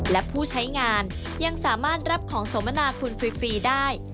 และผู้ใช้งานยังสามารถรับของสมนาคุณฟรีได้